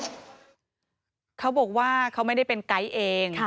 เขาบอกว่าเขาไม่ได้เป็นไก๊เอง